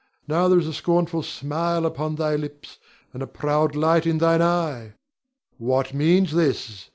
Now there is a scornful smile upon thy lips, and a proud light in thine eye. What means this?